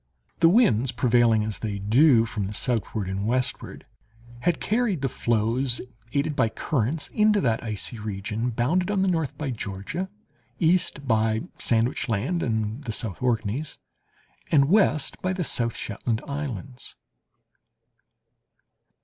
The winds, prevailing, as they do, from the southward and westward, had carried the floes, aided by currents, into that icy region bounded on the north by Georgia, east by Sandwich Land and the South Orkneys, and west by the South Shetland islands.